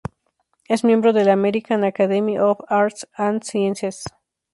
Es Miembro de la American Academy of Arts and Sciences.